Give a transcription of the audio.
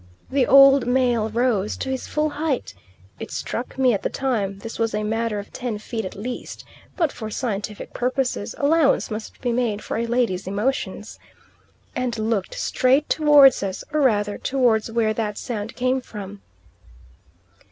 The old male rose to his full height (it struck me at the time this was a matter of ten feet at least, but for scientific purposes allowance must be made for a lady's emotions) and looked straight towards us, or rather towards where that sound came from.